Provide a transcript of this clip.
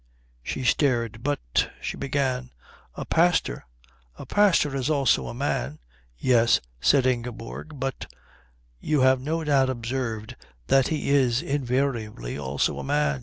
She stared. "But," she began, "a pastor " "A pastor is also a man." "Yes," said Ingeborg, "but " "You have no doubt observed that he is, invariably, also a man."